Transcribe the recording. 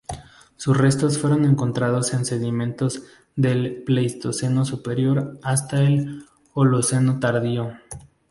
Sus restos fueron encontrados en sedimentos del Pleistoceno superior, hasta el Holoceno tardío.